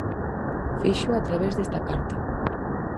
Fíxoo a través desta carta.